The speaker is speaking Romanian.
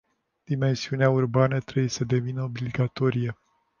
Dimensiunea urbană trebuie să devină obligatorie.